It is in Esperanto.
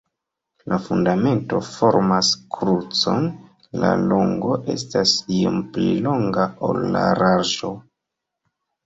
La fundamento formas krucon, la longo estas iom pli longa, ol la larĝo.